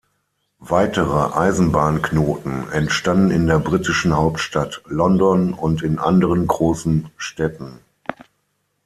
Weitere Eisenbahnknoten entstanden in der britischen Hauptstadt London und in anderen großen Städten.